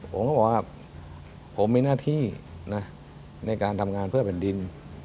ผมก็บอกว่าผมมีหน้าที่นะในการทำงานเพื่อแผ่นดิน